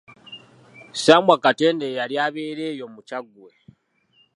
Ssambwa Katenda eyali abeera eyo mu Kyaggwe.